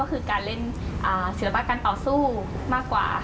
เราอยากทำในสิ่งที่เรารักสิ่งที่เราชอบก็คือการเล่นศิลปะการต่อสู้มากกว่า